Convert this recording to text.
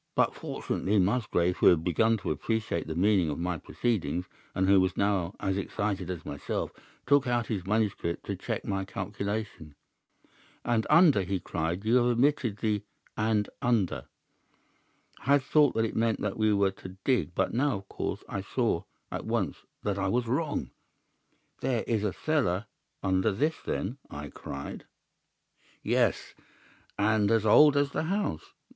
But, fortunately, Musgrave, who had begun to appreciate the meaning of my proceedings, and who was now as excited as myself, took out his manuscript to check my calculation. "'And under,' he cried. 'You have omitted the "and under."' "I had thought that it meant that we were to dig, but now, of course, I saw at once that I was wrong. 'There is a cellar under this then?' I cried. "'Yes, and as old as the house.